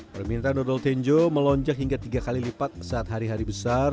permintaan dodol tenjo melonjak hingga tiga kali lipat saat hari hari besar